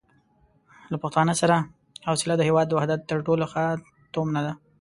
له پښتانه سره حوصله د هېواد د وحدت تر ټولو ښه تومنه ده.